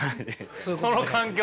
その環境？